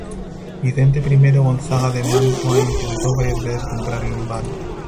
Vicente I Gonzaga de Mantua intentó varias veces comprarlo en vano.